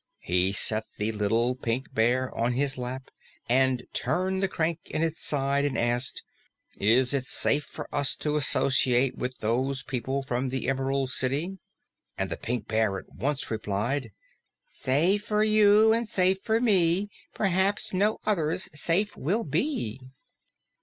He set the Little Pink Bear on his lap and turned the crank in its side and asked, "Is it safe for us to associate with those people from the Emerald City?" And the Pink Bear at once replied, "Safe for you and safe for me; Perhaps no others safe will be."